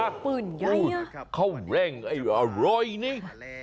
เขาแรงไอ้อร่อยนี่